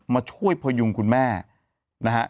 มาช่วยพยุงคุณแม่นะฮะ